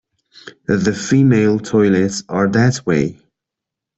The female toilets are that way.